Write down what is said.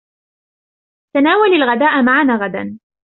تناول الغداء معنا غدا.